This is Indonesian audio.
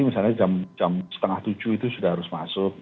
misalnya jam setengah tujuh itu sudah harus masuk